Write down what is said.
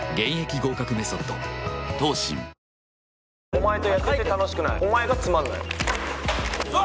お前とやってて楽しくないお前がつまんないうわ！